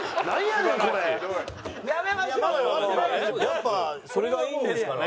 やっぱそれがいいんですかね？